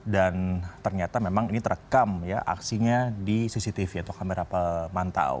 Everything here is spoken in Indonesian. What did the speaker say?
dan ternyata memang ini terekam ya aksinya di cctv atau kamera pemantau